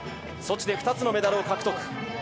ソチで２つのメダルを獲得。